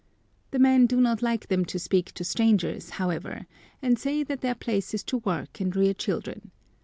The men do not like them to speak to strangers, however, and say that their place is to work and rear children.